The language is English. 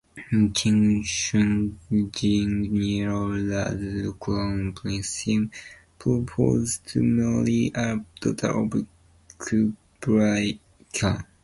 King Chungnyeol, as Crown Prince Sim, proposed to marry a daughter of Kublai Khan.